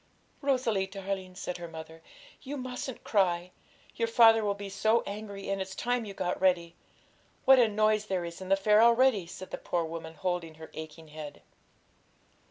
'Rosalie, darling,' said her mother, 'you mustn't cry; your father will be so angry, and it's time you got ready. What a noise there is in the fair already!' said the poor woman, holding her aching head.